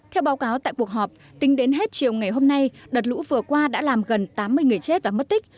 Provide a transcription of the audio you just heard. theo báo cáo tại cuộc họp tính đến hết chiều ngày hôm nay đợt lũ vừa qua đã làm gần tám mươi người chết và mất tích